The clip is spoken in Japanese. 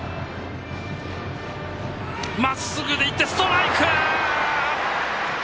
まっすぐでいってストライク！